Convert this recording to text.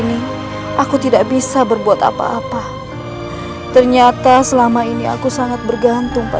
hidup di sangkar emas istana